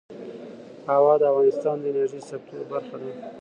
هوا د افغانستان د انرژۍ سکتور برخه ده.